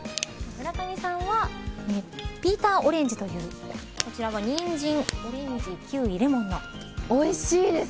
村上さんはピーターオレンジというこちらは、ニンジン、オレンジおいしいです。